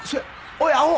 おいアホ。